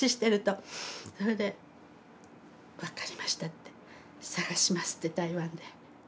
それで分かりましたって探しますって台湾で。